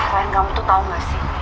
ren kamu tuh tau gak sih